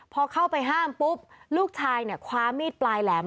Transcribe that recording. พอเข้าไปห้ามปุ๊บลูกชายเนี่ยคว้ามีดปลายแหลม